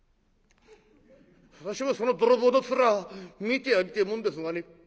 「私もその泥棒だったら見てやりてぇもんですがね。